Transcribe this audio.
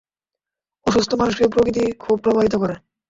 অসুস্থ মানুষকে প্রকৃতি খুব প্রভাবিত করে।